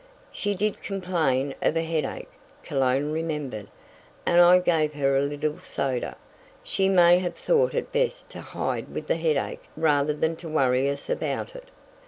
"She did complain of a headache," Cologne remembered, "and I gave her a little soda. She may have thought it best to hide with the headache rather than to worry us about it."